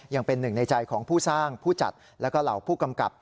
ยังเป็นหนึ่งในใจของผู้สร้างผู้จัดแล้วก็เหล่าผู้กำกับ